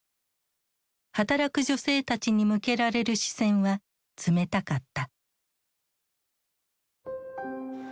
働く女性たちに向けられる視線は冷たかった。